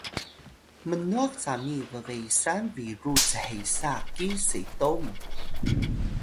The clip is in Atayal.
mnwah cami bbesan biru chesa ki seto mu